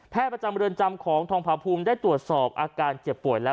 ประจำเรือนจำของทองพาภูมิได้ตรวจสอบอาการเจ็บป่วยแล้ว